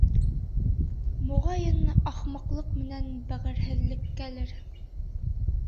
Моғайын, ахмаҡлыҡ менән бәғерһеҙлеккәлер.